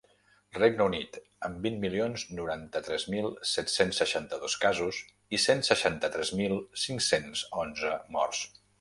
Regne Unit, amb vint milions noranta-tres mil set-cents seixanta-dos casos i cent seixanta-tres mil cinc-cents onze morts.